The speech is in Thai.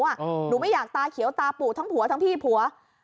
หนูไม่อยากตาเขียวตาปู่ทั้งผัวทั้งพี่ผัว